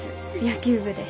野球部で。